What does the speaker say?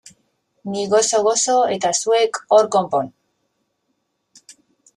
Ni gozo-gozo eta zuek hor konpon!